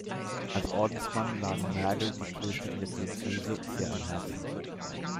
Als Ordensmann lagen Mergel die Klöster in der Diözese sehr am Herzen.